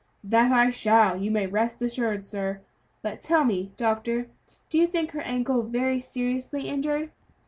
"That I shall, you may rest assured, sir; but tell me doctor, do you think her ankle very seriously injured?"